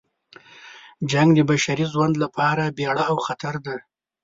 جنګ د بشري ژوند لپاره بیړه او خطر ده.